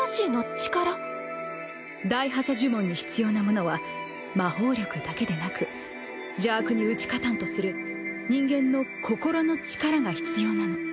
大破邪呪文に必要なものは魔法力だけでなく邪悪に打ち勝たんとする人間の心の力が必要なの。